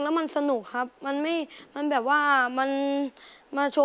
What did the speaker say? คิดถึงยังไง